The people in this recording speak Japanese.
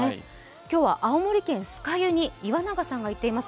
今日は青森県酸ヶ湯に岩永さんが行っています。